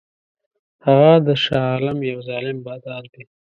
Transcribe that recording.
هغه د شاه عالم یو ظالم بادار دی.